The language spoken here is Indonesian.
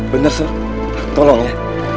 bener sir tolong ya